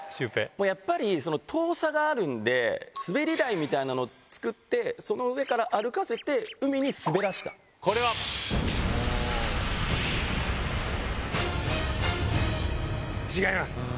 もうやっぱり、遠さがあるんで、滑り台みたいなのを作って、その上から歩かせて、海に滑らせこれは？違います。